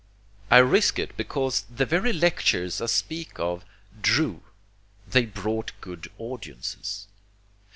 I risk it because the very lectures I speak of DREW they brought good audiences.